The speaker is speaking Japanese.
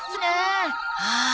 ああ。